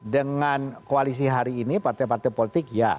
dengan koalisi hari ini partai partai politik ya